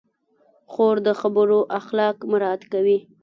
خور د خبرو اخلاق مراعت کوي.